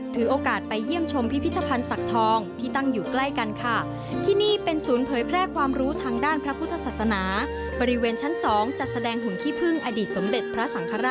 ถือโอกาสไปเยี่ยมชมพิพิธภัณฑ์ศักดิ์ทองที่ตั้งอยู่ใกล้กันค่ะ